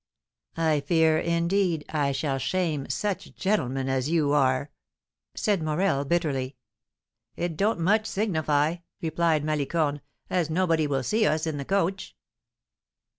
"I fear, indeed, I shall shame such gentlemen as you are!" said Morel, bitterly. "It don't much signify," replied Malicorne, "as nobody will see us in the coach."